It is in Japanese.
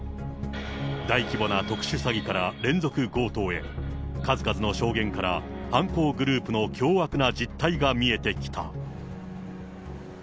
大規模な特殊詐欺から連続強盗へ、数々の証言から、犯行グループの凶悪な実態が見えてきた。